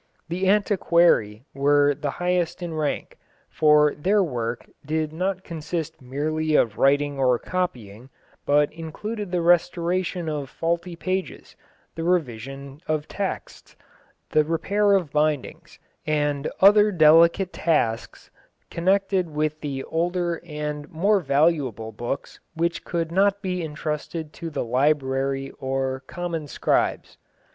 The antiquarii were the highest in rank, for their work did not consist merely of writing or copying, but included the restoration of faulty pages, the revision of texts, the repair of bindings, and other delicate tasks connected with the older and more valuable books which could not be entrusted to the librarii or common scribes.